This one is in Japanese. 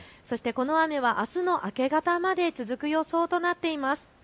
この雨はあすの明け方まで続く予想となっています。